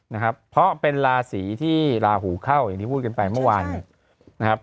นะครับเพราะเป็นราศีที่ลาหูเข้าอย่างที่พูดกันไปเมื่อวานเนี่ยนะครับ